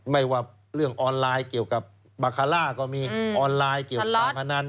ไม่ว่าเรื่องออนไลน์เกี่ยวกับบาคาร่าก็มีออนไลน์เกี่ยวกับการพนัน